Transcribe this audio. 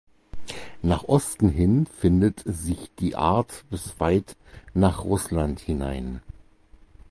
Nach Osten hin findet sich die Art bis weit nach Russland hinein.